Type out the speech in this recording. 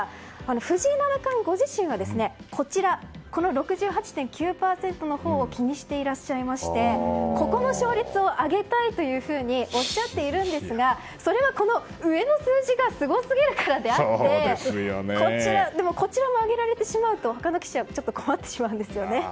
藤井七冠ご自身はこちら、６８．９％のほうを気にしていらっしゃいましてここの勝率を上げたいとおっしゃっているんですがそれは上の数字がすごすぎるからであって後手も上げられてしまうと他の棋士は困ってしまうんですよね。